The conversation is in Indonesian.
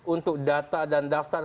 untuk data dan daftar